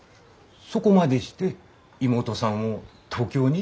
そこまでして妹さんを東京に？